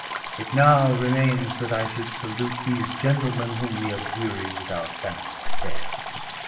It now remains that I should salute these gentlemen whom we have wearied with our family affairs."